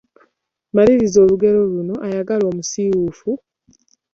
Maliriza olugero luno: Ayagala omusiiwuufu…